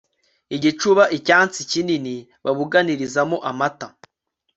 igicuba icyansi kinini babuganizamo amata